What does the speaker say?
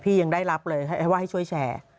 ยังได้รับเลยว่าให้ช่วยแชร์